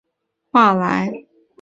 说不出话来